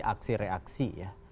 komunikasi aksi reaksi ya